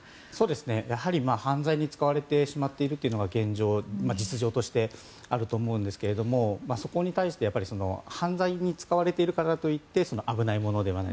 やはり、犯罪に使われてしまっているというのが実情としてあると思うんですけどそこに対して犯罪に使われているからといって危ないものではない。